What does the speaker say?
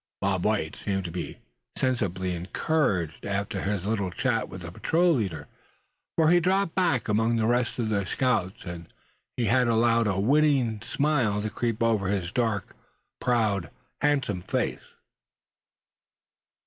Bob White seemed to be sensibly encouraged after his little chat with the patrol leader; for when he dropped back among the rest of the scouts he had allowed a winning smile to creep over his dark, proud, handsome face.